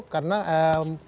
karena kami sangat berharga